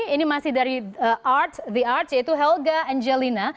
ini masih dari the art yaitu helga angelina